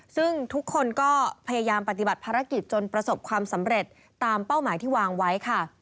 ซึ่งทุกคนก็พยายามปฏิบัติภารกิจจนประสบความสำเร็จตามเป้าหมายที่วางไว้ค่ะ